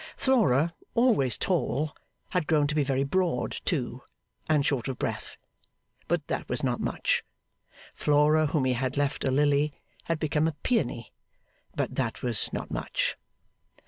Flora, always tall, had grown to be very broad too, and short of breath; but that was not much. Flora, whom he had left a lily, had become a peony; but that was not much.